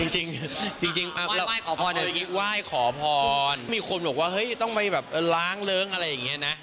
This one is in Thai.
จริงจริงว่ายขอพรว่ายขอพรมีโคมบอกว่าเฮ้ยต้องไปแบบล้างเลิ้งอะไรอย่างเงี้ยนะ